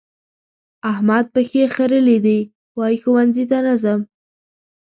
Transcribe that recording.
احمد پښې خرلې دي؛ وايي ښوونځي ته نه ځم.